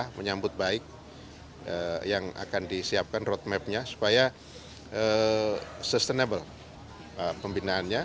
kita menyambut baik yang akan disiapkan roadmapnya supaya sustainable pembinaannya